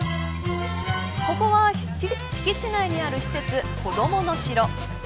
ここは敷地内にある施設こどもの城。